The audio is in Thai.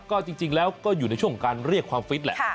ก็จริงแล้วก็อยู่ในช่วงของการเรียกความฟิตแหละ